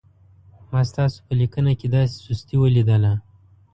ما ستاسو په لیکنه کې دا سستي ولیدله.